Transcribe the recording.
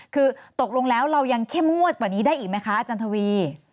คือตกลงแล้วเรายังเข้มงวดกว่านี้ได้อีกไหมคะอาจารย์ทวี